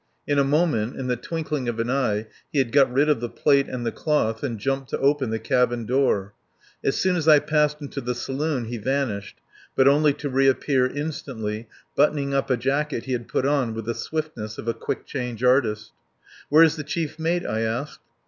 In a moment, in the twinkling of an eye, he had got rid of the plate and the cloth and jumped to open the cabin door. As soon as I passed into the saloon he vanished, but only to reappear instantly, buttoning up a jacket he had put on with the swiftness of a "quick change" artist. "Where's the chief mate?" I asked.